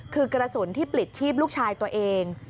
คือกระสุนที่ปลิดชีพลูกชายตัวเอง